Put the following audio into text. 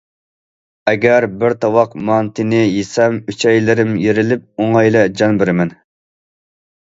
ئەگەر بىر تاۋاق مانتىنى يېسەم، ئۈچەيلىرىم يېرىلىپ، ئوڭايلا جان بېرىمەن.